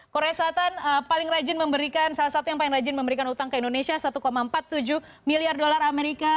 korea selatan paling rajin memberikan salah satu yang paling rajin memberikan utang ke indonesia satu empat puluh tujuh miliar dolar amerika